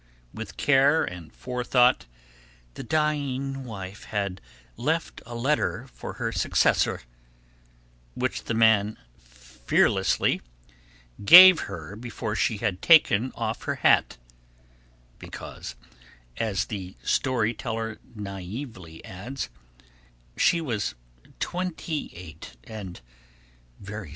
With care and forethought, the dying wife had left a letter for her successor, which the man fearlessly gave her before she had taken off her hat, because, as the story teller naïevely adds, "she was twenty eight and very sane."